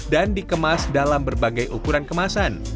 dan dikemas dalam berbagai ukuran kemasan